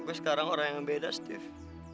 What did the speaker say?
tapi sekarang orang yang beda steve